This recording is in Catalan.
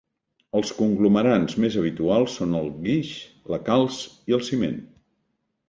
Els conglomerants més habituals són el guix, la calç, i el ciment.